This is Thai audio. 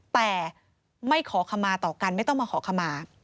แต่ไม่ขอคำมาต่อกันไม่ต้องมาขอขมา